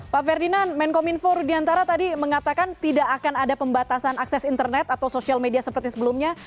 pak ferdinand menkominfo rudiantara tadi mengatakan tidak akan ada pembatasan akses internet atau sosial media seperti sebelumnya